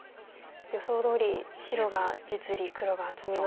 予想どおり白が実利黒が厚みのような。